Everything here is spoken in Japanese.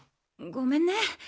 ごめんね。